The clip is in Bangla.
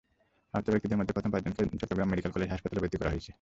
আহত ব্যক্তিদের মধ্যে প্রথম পাঁচজনকে চট্টগ্রাম মেডিকেল কলেজ হাসপাতালে ভর্তি করা হয়েছে।